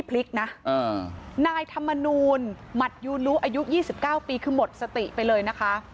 พลิกนะอ่านายธรรมนูญหมัดยูรุอายุยี่สิบเก้าปีคือหมดสติไปเลยนะคะ